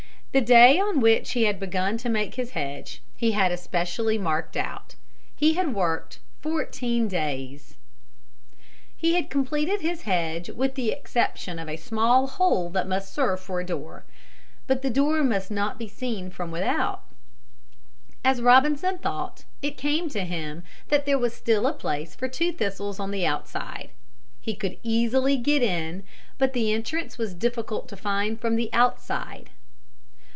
The day on which he had begun to make his hedge he had especially marked out. He had worked fourteen days. [Illustration: ROBINSON'S TOOLS] He had completed his hedge with the exception of a small hole that must serve for a door. But the door must not be seen from without. As Robinson thought, it came to him that there was still place for two thistles on the outside. He could easily get in, but the entrance was difficult to find from the outside.